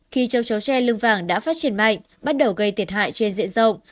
khi châu chấu che lưng vàng đã phát triển mạnh bắt đầu gây tiệt hại trên diện rộng